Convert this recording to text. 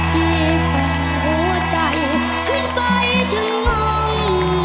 ที่ส่งหัวใจขึ้นไปถึงวัง